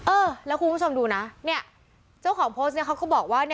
เออแล้วคุณผู้ชมดูนะเจ้าของโพสต์เขาก็บอกว่า